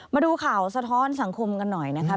มาดูข่าวสะท้อนสังคมกันหน่อยนะครับ